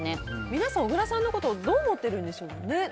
皆さん、小倉さんのことどう思ってるんでしょうね。